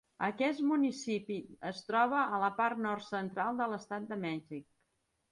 Aquest municipi es troba a la part nord-central de l'estat de Mèxic.